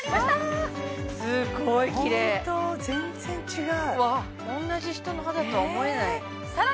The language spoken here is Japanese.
うわすごい綺麗ホント全然違ううわおんなじ人の肌とは思えないえ